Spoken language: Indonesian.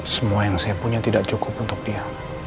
semua yang saya punya tidak cukup untuk dia